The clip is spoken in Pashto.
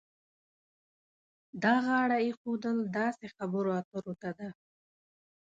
دا غاړه ایښودل داسې خبرو اترو ته ده.